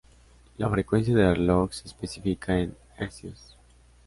La frecuencia de reloj se especifica en hercios.